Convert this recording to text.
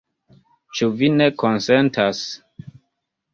Ĉu vi ne konsentas?